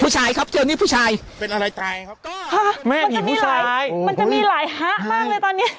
ผู้ชายครับเจอนี่ผู้ชายเป็นอะไรตายครับมันจะมีหลายมันจะมีหลายฮะมากเลยตอนนี้